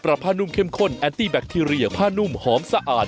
ผ้านุ่มเข้มข้นแอนตี้แบคทีเรียผ้านุ่มหอมสะอาด